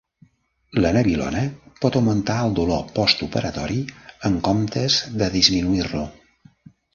La nabilona pot augmentar el dolor postoperatori en comptes de disminuir-lo.